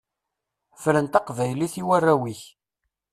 Fren taqbaylit i warraw-ik.